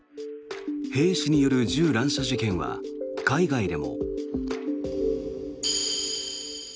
兵士による銃乱射事件は海外でも。